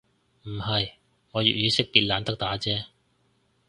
唔係，我粵語識別懶得打啫